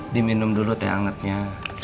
diminum dulu teh hangatnya